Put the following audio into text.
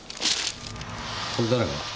これ誰が？